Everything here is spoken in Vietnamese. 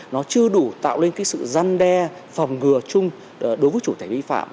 nó chưa đủ tạo lên sự gian đe phòng ngừa chung đối với chủ thể vi phạm